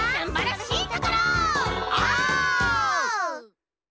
オ！